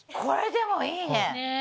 これでもいいね。ね。